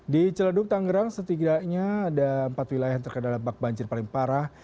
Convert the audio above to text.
di celeduk tangerang setidaknya ada empat wilayah yang terkena dampak banjir paling parah